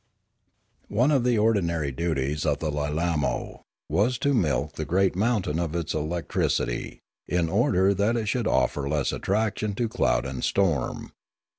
One of the ordinary duties of the Lilamo was to milk the great mountain of its electricity, in order that it should offer less attraction to cloud and storm.